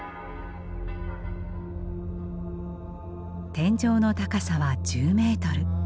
天井の高さは１０メートル。